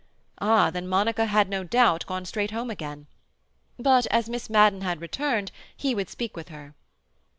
Ah, then Monica had no doubt gone straight home again. But, as Miss Madden had returned, he would speak with her.